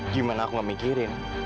gimana aku gak mikirin